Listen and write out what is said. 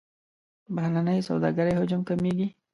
بهرنۍ سوداګرۍ حجم کمیږي.